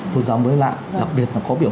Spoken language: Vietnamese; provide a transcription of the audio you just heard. tôn giáo mới lạ đặc biệt là có biểu